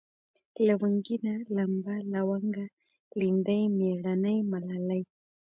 لونگينه ، لمبه ، لونگه ، ليندۍ ، مېړنۍ ، ملالۍ